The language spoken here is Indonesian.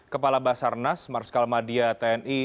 kepala basarnas marskal madia tni